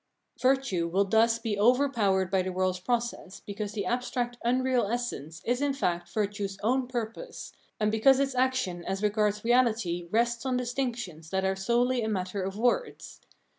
Virtue will thus be overpowered by the world's process, because the abstract unreal essence is in fact virtue's own purpose, and because its action as regards reahty rests on distinctions that are solely a matter of words.